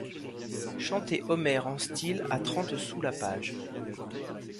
Chanter Homère en style à trente sous la page !